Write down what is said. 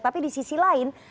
tapi di sisi lain